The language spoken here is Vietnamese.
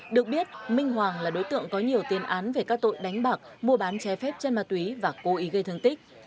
được biết minh hoàng là đối tượng có nhiều tiền án về các tội đánh bạc mua bán che phép trên mặt túy và cố ý gây thương tích